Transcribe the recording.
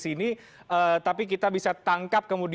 setiap lima tahun akan ada pemilu